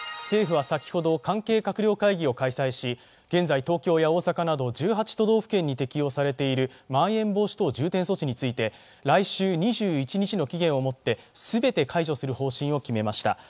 政府は先ほど関係閣僚会議を開催し、現在東京や大阪など１８都道府県に適用されているまん延防止等重点措置について来週２１日の期限をもって全て解除する方針を決めました。